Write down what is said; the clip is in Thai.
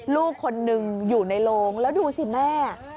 ลูกคนหนึ่งอยู่ในโรงแล้วดูสิแม่